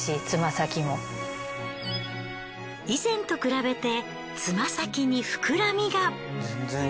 以前と比べてつま先に膨らみが！